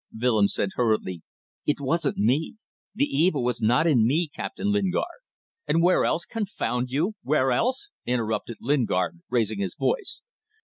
Willems said hurriedly: "It wasn't me. The evil was not in me, Captain Lingard." "And where else confound you! Where else?" interrupted Lingard, raising his voice.